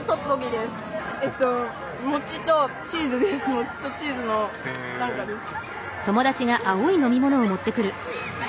もちとチーズの何かです。